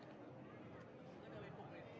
โปรดติดตามต่อไป